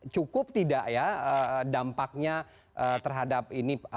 cukup tidak ya dampaknya terhadap ini